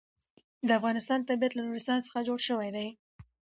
د افغانستان طبیعت له نورستان څخه جوړ شوی دی.